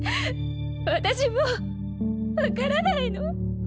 私もう分からないの。